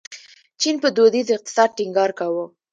چین په دودیز اقتصاد ټینګار کاوه.